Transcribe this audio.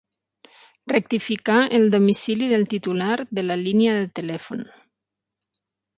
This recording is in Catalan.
Rectificar el domicili del titular de la línia de telèfon.